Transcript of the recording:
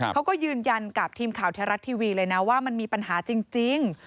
เขาก็ยืนยันกับทีมข่าวแท้รัฐทีวีเลยนะว่ามันมีปัญหาจริง